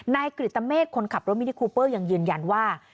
กริตเมฆคนขับรถมินิคูเปอร์ยังยืนยันว่า